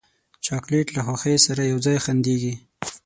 چاکلېټ له خوښۍ سره یو ځای خندېږي.